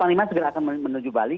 panglima segera akan menuju bali